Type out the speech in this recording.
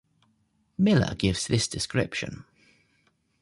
Miller gives this description.